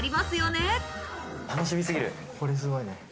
すごいね。